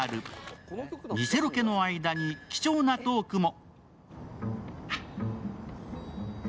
偽ロケの間に貴重なトークも。